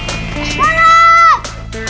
ah ah buruan